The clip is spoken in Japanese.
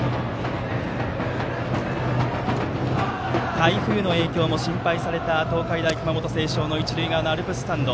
台風の影響も心配された東海大熊本星翔の一塁側のアルプススタンド。